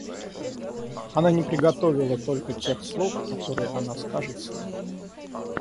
Она не приготовила только тех слов, которые она скажет сыну.